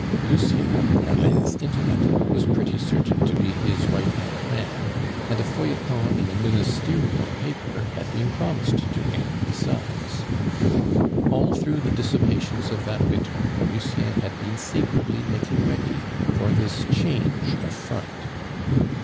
Lucien, Merlin's intimate, was pretty certain to be his right hand man, and a feuilleton in a Ministerial paper had been promised to him besides. All through the dissipations of that winter Lucien had been secretly making ready for this change of front.